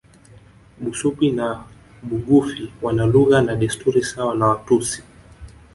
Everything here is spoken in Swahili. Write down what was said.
Busubi na Bugufi wana lugha na desturi sawa na Watusi